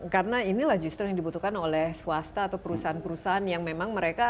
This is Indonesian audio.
karena inilah justru yang dibutuhkan oleh swasta atau perusahaan perusahaan yang memang mereka